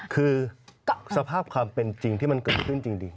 คือสภาพความเป็นจริงที่มันเกิดขึ้นจริง